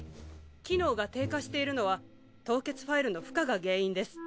機能が低下しているのは凍結ファイルの負荷が原因です。